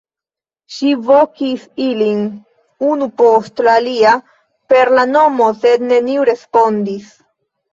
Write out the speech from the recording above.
Ŝi vokis ilin unu post la alia per la nomo, sed neniu respondis.